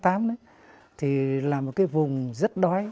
thì là một cái vùng rất đói